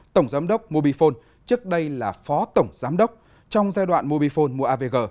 tổng giám đốc mobifone trước đây là phó tổng giám đốc trong giai đoạn mobifone mua avg